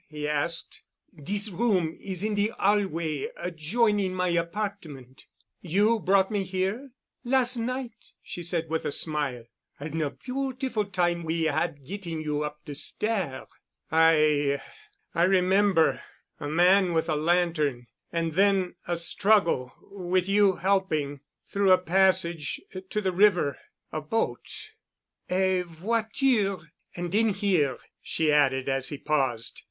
he asked. "Dis room is in de hallway adjoining my apartment——" "You brought me here——?" "Las' night," she said, with a smile, "an' a beautiful time we had getting you up de stair——" "I—I remember—a man with a lantern—and then a struggle—with you helping—through a passage—to the river—a boat——" "A voiture an' den—here," she added as he paused.